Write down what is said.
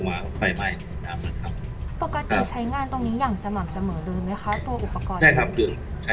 สวัสดีครับวันนี้เราจะกลับมาเมื่อไหร่